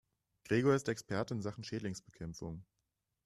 Gregor ist Experte in Sachen Schädlingsbekämpfung.